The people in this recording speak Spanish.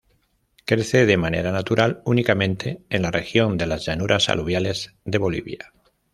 Crece de manera natural únicamente en la región de las llanuras aluviales de Bolivia.